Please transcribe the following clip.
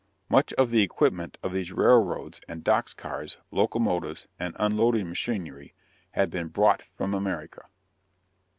Much of the equipment of these railroads and docks cars, locomotives, and unloading machinery had been brought from America.